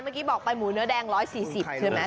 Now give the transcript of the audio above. เมื่อกี้บอกไปหมูเนื้อแดง๑๔๐ใช่ไหม